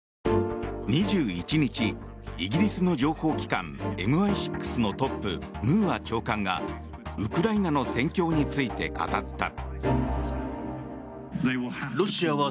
２１日、イギリスの情報機関ＭＩ６のトップムーア長官がウクライナの戦況について語った。